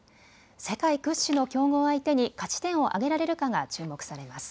世界屈指の強豪相手に勝ち点を挙げられるかが注目されます。